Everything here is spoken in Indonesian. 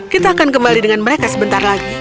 kita akan kembali dengan mereka sebentar lagi